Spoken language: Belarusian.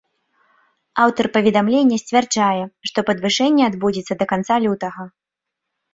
Аўтар паведамлення сцвярджае, што падвышэнне адбудзецца да канца лютага.